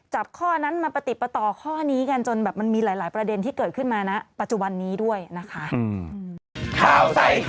ข้อนั้นมาประติดประต่อข้อนี้กันจนแบบมันมีหลายประเด็นที่เกิดขึ้นมานะปัจจุบันนี้ด้วยนะคะ